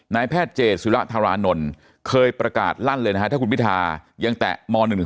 นายแพทย์เจสุรธารานนท์เคยประกาศลั่นเลยนะฮะถ้าคุณพิทายังแตะม๑๔